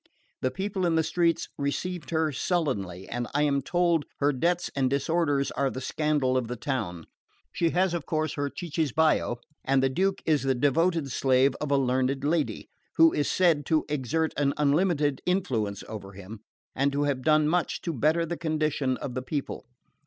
The people in the streets received her sullenly, and I am told her debts and disorders are the scandal of the town. She has, of course, her cicisbeo, and the Duke is the devoted slave of a learned lady, who is said to exert an unlimited influence over him, and to have done much to better the condition of the people.